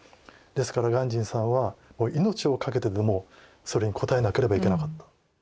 ですから鑑真さんは命を懸けてでもそれに応えなければいけなかった。